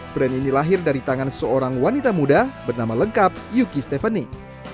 brand ini lahir dari tangan seorang wanita muda bernama lengkap yuki stephanie